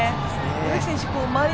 植木選手、周り